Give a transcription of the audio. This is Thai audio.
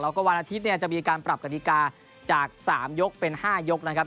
แล้วก็วันอาทิตย์เนี่ยจะมีการปรับกฎิกาจาก๓ยกเป็น๕ยกนะครับ